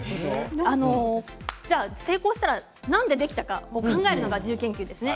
成功したらなんでできたかを考えるのが自由研究ですね。